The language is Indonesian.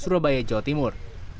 surabaya jawa timur